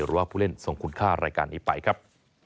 ผู้เล่นส่งคุณค่ารายการนี้ไปครับ